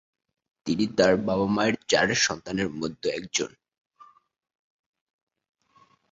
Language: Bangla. তিনি তাঁর বাবা-মায়ের চার সন্তানের মধ্যে একজন।